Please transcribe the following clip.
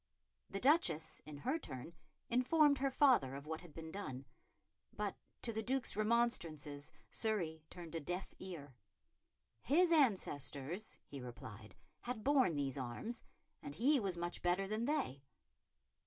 The Duchess, in her turn, informed her father of what had been done, but to the Duke's remonstrances Surrey turned a deaf ear. His ancestors, he replied, had borne these arms, and he was much better than they.